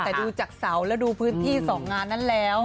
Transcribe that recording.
แต่ดูจากเสาแล้วดูพื้นที่๒งานนั้นแล้ว